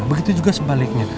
begitu juga sebaliknya